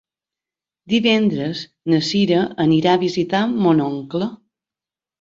Divendres na Sira anirà a visitar mon oncle.